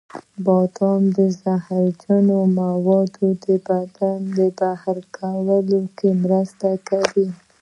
بادام د زهرجنو موادو د بدن څخه بهر کولو کې مرسته کوي.